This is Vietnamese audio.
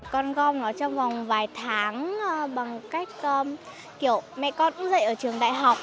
con gom trong vòng vài tháng bằng cách kiểu mẹ con cũng dạy ở trường đại học